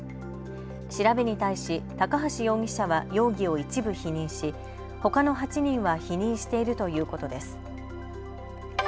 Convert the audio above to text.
調べに対し高橋容疑者は容疑を一部否認し、ほかの８人は否認しているということです。